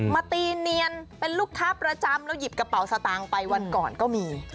มาตีเนียนเป็นลูกค้าประจำแล้วหยิบกระเป๋าสตางค์ไปวันก่อนก็มี